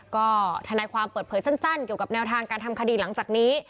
ก็ทนายความเปิดเผยสั้นเกี่ยวกับแนวทางการทำคดีหลังจากนี้